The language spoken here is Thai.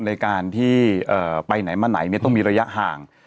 ในการที่ไปไหนมาไหนต้องมีระยะห่าง